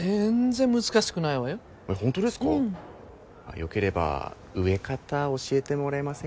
よければ植え方教えてもらえませんか？